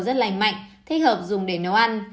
rất lành mạnh thích hợp dùng để nấu ăn